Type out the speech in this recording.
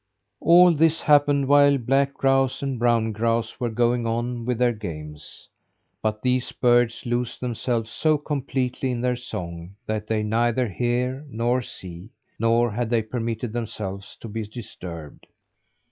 All this happened while black grouse and brown grouse were going on with their games. But these birds lose themselves so completely in their song, that they neither hear nor see. Nor had they permitted themselves to be disturbed.